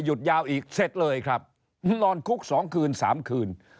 ยาวอีกเสร็จเลยครับนอนคุก๒คืน๓คืน